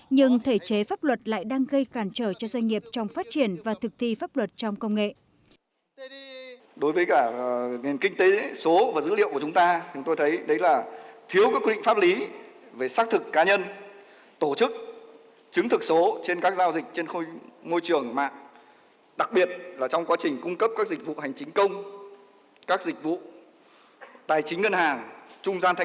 nhưng thể chế pháp luật lại đang gây cản trở cho doanh nghiệp trong phát triển và thực thi pháp luật trong công nghệ